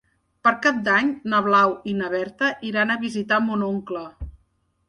Per Cap d'Any na Blau i na Berta iran a visitar mon oncle.